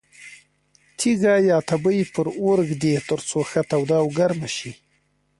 تیږه یا تبۍ پر اور ږدي ترڅو ښه توده او ګرمه شي.